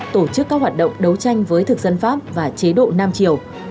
tổ chức các hoạt động đấu tranh với thực dân pháp và chế độ nam triều